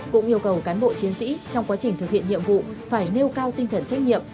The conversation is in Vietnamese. cũng yêu cầu cán bộ chiến sĩ trong quá trình thực hiện nhiệm vụ phải nêu cao tinh thần trách nhiệm